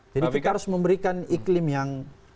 jadi kita harus memberikan iklim yang